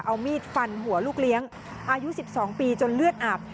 เอามีดฟันหัวลูกเลี้ยงอายุ๑๒ปีจนเลือดอาบ